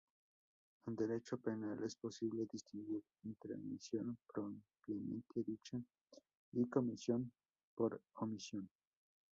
En derecho penal es posible distinguir entre omisión propiamente dicha y comisión por omisión.